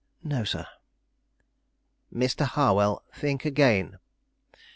"No, sir." "Mr. Harwell, think again.